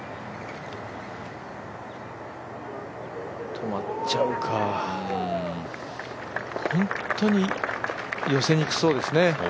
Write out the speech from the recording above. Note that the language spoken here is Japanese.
止まっちゃうか本当に寄せにくそうですね。